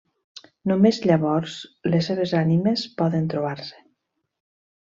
Només llavors les seves ànimes poden trobar-se.